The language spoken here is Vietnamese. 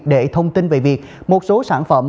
để thông tin về việc một số sản phẩm